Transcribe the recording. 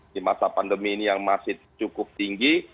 di masa pandemi ini yang masih cukup tinggi